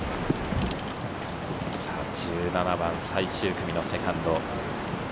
１７番、最終組のセカンド。